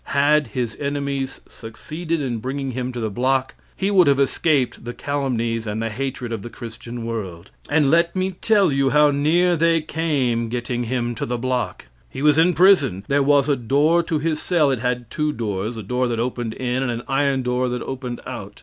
Had his enemies succeeded in bringing him to the block, he would have escaped the calumnies and the hatred of the Christian world. And let me tell you how neat they came getting him to the block. He was in prison, there was a door to his cell it had two doors, a door that opened in and an iron door that opened out.